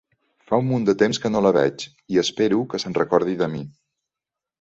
Fa un munt de temps que no la veig i espero que se'n recordi de mi!